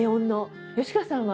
吉川さんは？